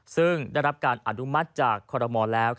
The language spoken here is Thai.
ซึ่งได้รับการอนุมัติจากคอรมอลแล้ว